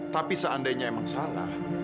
tapi seandainya emang salah